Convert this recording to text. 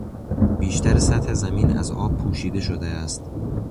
بیشتر سطح زمین از آب پوشیده شده است.